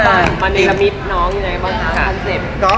ตอนนี้มาในละมิดน้องอยู่ไหนบ้างคะคอนเซ็ปต์